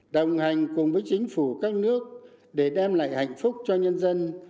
đồng hành cùng với chính phủ các nước để đem lại hạnh phúc cho nhân dân